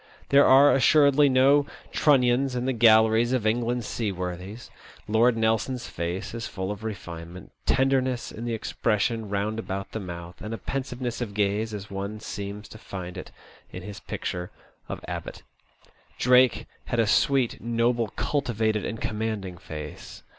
There are assuredly no Trunnions in the galleries of England's sea worthies. Lord Nelson's face is full of refinement, tenderness in the expression round about the mouth, and a pensiveness of gaze as one seems to find it in his picture by Abbot. Drake had a sweet, noble, cultivated, and commanding face.